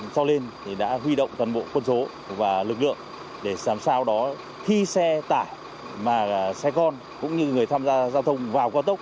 sau lên thì đã huy động toàn bộ quân số và lực lượng để làm sao đó khi xe tải mà xe con cũng như người tham gia giao thông vào cao tốc